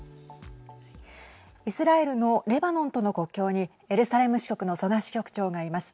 イスラエルのレバノンとの国境にエルサレム支局の曽我支局長がいます。